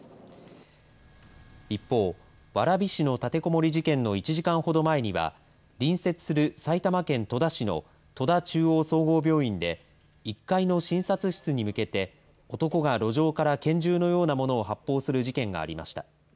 一方、蕨市の立てこもり事件の１時間ほど前には隣接する埼玉県戸田市の戸田中央総合病院で１階の診察室に向けて男が路上から拳銃のようなものを発砲する事件がありました。